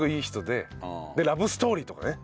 でラブストーリーとかね。